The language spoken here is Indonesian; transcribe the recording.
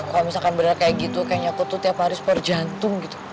kalo misalkan bener kayak gitu kayaknya aku tuh tiap hari support jantung gitu